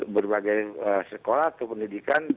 berbagai sekolah atau pendidikan